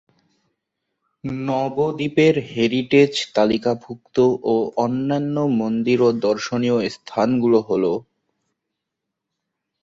নবদ্বীপের হেরিটেজ তালিকাভুক্ত ও অন্যান্য মন্দির ও দর্শনীয় স্থানগুলো হলো-